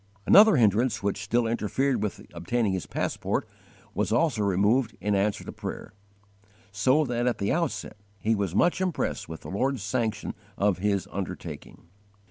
Another hindrance which still interfered with obtaining his passport, was also removed in answer to prayer; so that at the outset he was much impressed with the Lord's sanction of his undertaking.